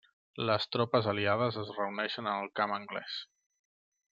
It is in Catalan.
Les tropes aliades es reuneixen en el camp anglès.